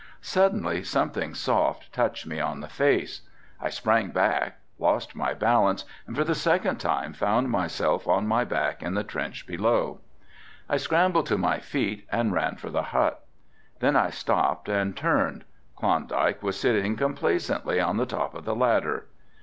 Suddenly something soft touched me on the face, I sprang back, lost my balance, and for the second time found myself on my back in the trench below. I scrambled to my feet and ran for the hut. Then I stopped and turned, Klondike was sitting complacently on the top of the ladder.